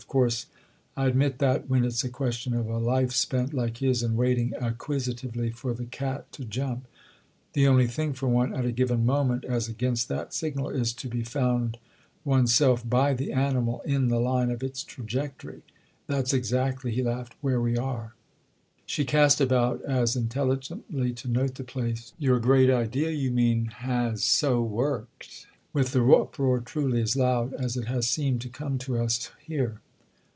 Of course I admit that when it's a question of a life spent, like his, in waiting, acquisitively, for the cat to jump, the only thing for one, at a given moment, as against that signal, is to be found one's self by the animal in the line of its trajectory. That's exactly," he laughed, "where we are!" She cast about as intelligently to note the place. "Your great idea, you mean, has so worked—with the uproar truly as loud as it has seemed to come to us here?"